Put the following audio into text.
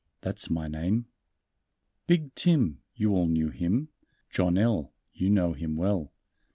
"That's my name." "Big Tim, you all knew him; John L., you know him well.